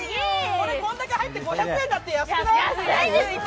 これ、こんだけ入って５００円だって、安くない？